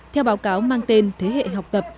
theo báo cáo mang tên thế hệ học tập